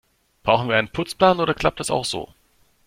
Brauchen wir einen Putzplan, oder klappt das auch so?